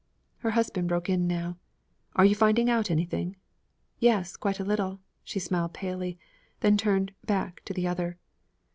Her husband broke in now: 'Are you finding out anything?' 'Yes, quite a little!' She smiled palely, then turned back to the other.